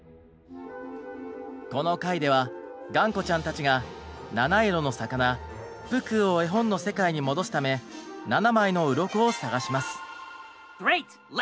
この回ではがんこちゃんたちがなないろのさかなプクーを絵本の世界に戻すため７枚のうろこを探します。